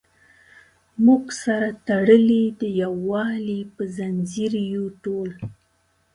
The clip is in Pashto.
موږ سره تړلي د یووالي په زنځیر یو ټول.